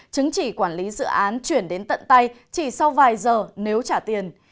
chứng chỉ quản lý dự án chuyển đến tận tay chỉ sau vài giờ nếu trả tiền